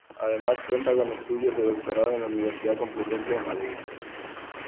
Además cuenta con estudios de doctorado en la Universidad Complutense de Madrid.